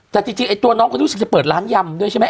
แต่จริงไอ้ตัวน้องก็รู้สึกจะเปิดร้านยำด้วยใช่ไหม